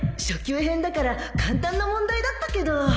初級編だから簡単な問題だったけど